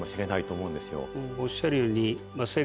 おっしゃるように。